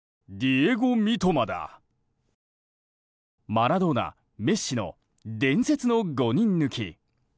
マラドーナ、メッシの伝説の５人抜き。